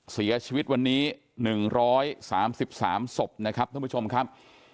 เสียชีวิตวันนี้๑๓๓ศพนะครับท่านผู้ชมครับ